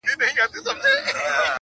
شاوخوا یې بیا پر قبر ماجر جوړ کئ,